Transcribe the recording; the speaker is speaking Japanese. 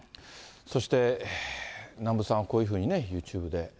そして、南部さんはこういうふうにね、ユーチューブで。